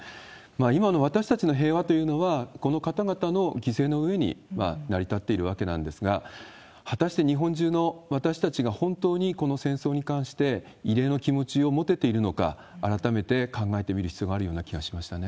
今の私たちの平和というのは、この方々の犠牲の上に成り立っているわけなんですが、果たして日本中の私たちが本当にこの戦争に関して、慰霊の気持ちを持てているのか、改めて考えてみる必要がある気がしましたね。